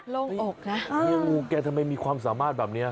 ลงอกนะเฮียวูแกทำไมมีความสามารถแบบนี้